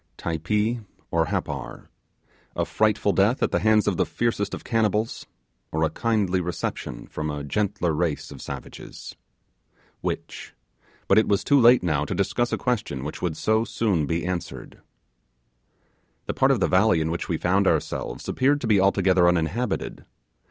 Typee or Happar? A frightful death at the hands of the fiercest of cannibals, or a kindly reception from a gentler race of savages? Which? But it was too late now to discuss a question which would so soon be answered. The part of the valley in which we found ourselves appeared to be altogether uninhabited.